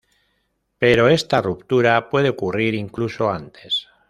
Pero esta ruptura puede ocurrir incluso antes.